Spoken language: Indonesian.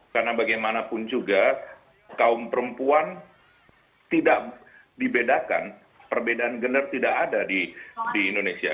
karena bagaimanapun juga kaum perempuan tidak dibedakan perbedaan gener tidak ada di indonesia